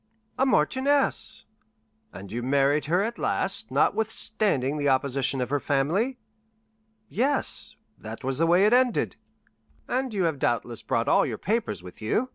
"A marchioness!" "And you married her at last, notwithstanding the opposition of her family?" "Yes, that was the way it ended." "And you have doubtless brought all your papers with you?"